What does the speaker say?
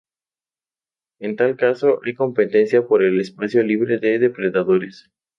En tal caso hay competencia por el espacio libre de depredadores.